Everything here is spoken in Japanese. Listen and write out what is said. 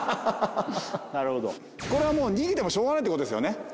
なるほどこれはもう逃げてもしょうがないってことですよね